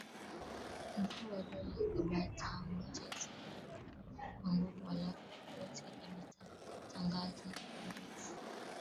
Mkuu wa Dola Kabaka Mutesa kwa nguvu halafu Obote alijitangaza kuwa rais